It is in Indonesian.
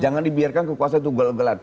jangan dibiarkan kekuasaan itu gel gelan